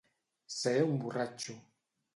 Ser un borratxo.